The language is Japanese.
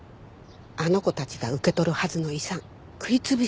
あの子たちが受け取るはずの遺産食い潰しちゃって。